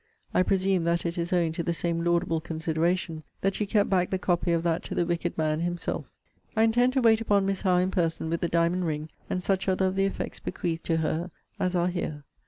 I presume, that it is owing to the same laudable consideration, that you kept back the copy of that to the wicked man himself. I intend to wait upon Miss Howe in person with the diamond ring, and such other of the effects bequeathed to her as are here.